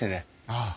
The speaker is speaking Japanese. ああ。